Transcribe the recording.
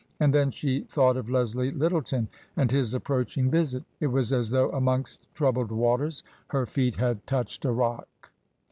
And then she thought of Leslie Lyttleton and his approaching visit. It was as though amongst troubled waters her feet had touched a rock.